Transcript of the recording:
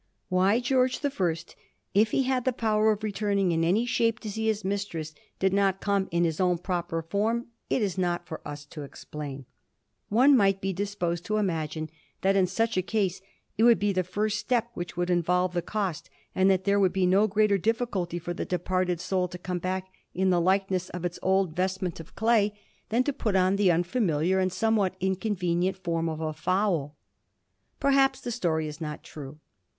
Why George the First, if he had the power of returning in any shape to see his mistress, did not come in his own proper form, it is not for us to explain. One might be disposed to imagme that in such a case it would be the first step which would involve the cost, and that there would be no greater difficulty for the departed soul to come back in the likeness of its old vestment of clay than Digiti zed by Google 350 A HISTORY OF THE FOUR GEORGES, ch. xvn. to put on the unfamiliar and somewhat inconvenient form of a fowl. Perhaps the story is not true.